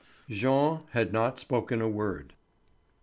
Jean had not spoken a word.